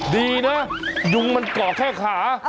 ดีนะยุงมันเกาะแค่ขา